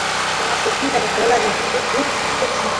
তোমার সত্যিই তাঁকে ভাল লাগবে, সে খুব সেক্সি।